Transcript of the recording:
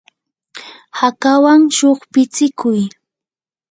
hakawan shuqpitsikuy.